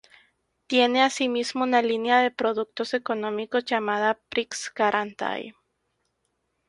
Tiene asimismo una línea de productos económicos llamada "Prix-Garantie".